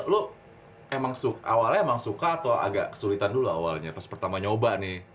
lo awalnya emang suka atau agak kesulitan dulu awalnya pas pertama nyoba nih